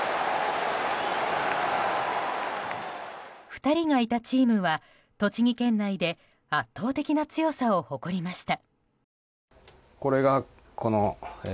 ２人がいたチームは、栃木県内で圧倒的な強さを誇りました。